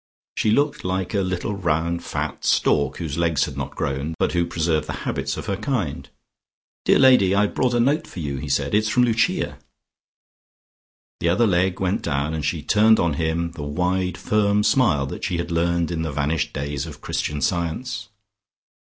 She looked like a little round fat stork, whose legs had not grown, but who preserved the habits of her kind. "Dear lady, I've brought a note for you," he said, "it's from Lucia." The other leg went down, and she turned on him the wide firm smile that she had learned in the vanished days of Christian Science.